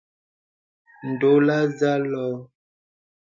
Ndɔ̌là zà lɔ̄ɔ̄.